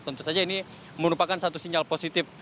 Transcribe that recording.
tentu saja ini merupakan satu sinyal positif